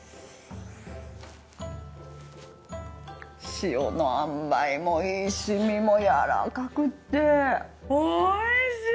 塩のあんばいもいいし身もやわらかくっておいしい！